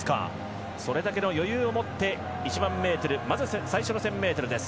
それだけの余裕を持って１００００ｍの、まず最初の１０００ｍです。